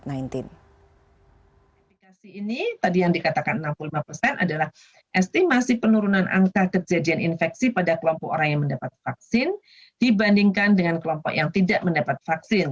efekasi ini tadi yang dikatakan enam puluh lima persen adalah estimasi penurunan angka kejadian infeksi pada kelompok orang yang mendapat vaksin dibandingkan dengan kelompok yang tidak mendapat vaksin